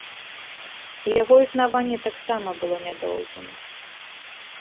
Яго існаванне таксама было нядоўгім.